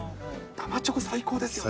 生チョコ、最高ですよね。